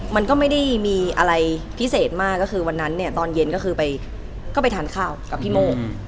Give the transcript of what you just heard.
มันก็ไม่ได้มีอะไรพิเศษมากก็คือวันนั้นเนี่ยตอนเย็นก็คือไปก็ไปทานข้าวกับพี่โมก